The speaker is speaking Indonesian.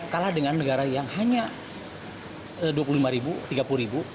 kalah dengan negara yang hanya dua puluh lima ribu tiga puluh ribu